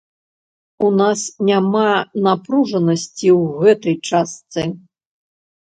У нас няма напружанасці ў гэтай частцы.